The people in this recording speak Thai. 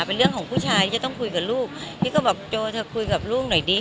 เป็นเรื่องของผู้ชายที่จะต้องคุยกับลูกพี่ก็บอกโจเธอคุยกับลูกหน่อยดิ